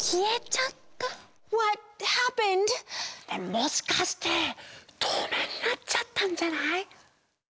もしかしてとうめいになっちゃったんじゃない？